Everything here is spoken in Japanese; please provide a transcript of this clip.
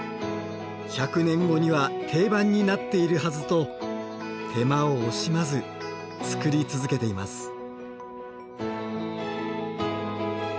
１００年後には定番になっているはずと手間を惜しまず作り続けています。